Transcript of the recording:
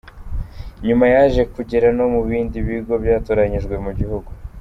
Nyuma yaje kugera no mu bindi bigo byatoranyijwe mu gihugu.